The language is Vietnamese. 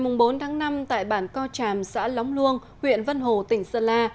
ngày bốn tháng năm tại bản co tràm xã lóng luông huyện vân hồ tỉnh sơn la